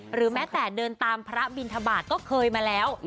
หรือแม้แต่เดินตามพระบินทบาทก็เคยมาแล้ว